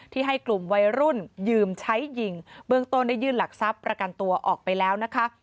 ให้กลุ่มวัยรุ่นยืมใช้ยิงเบื้องต้นได้ยื่นหลักทรัพย์ประกันตัวออกไปแล้วนะคะ